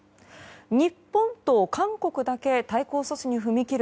日本と韓国だけ対抗措置に踏み切る